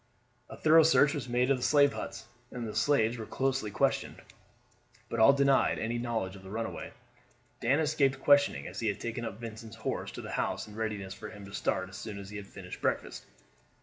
A thorough search was made of the slave huts, and the slaves were closely questioned, but all denied any knowledge of the runaway. Dan escaped questioning, as he had taken up Vincent's horse to the house in readiness for him to start as soon as he had finished breakfast.